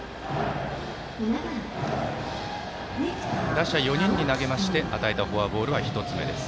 打者４人に投げまして与えたフォアボールは１つ目です。